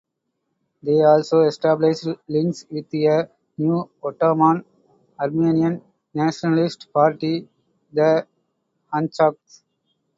They also established links with a new Ottoman Armenian nationalist party, the Hunchaks.